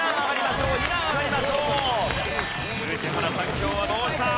今日はどうした？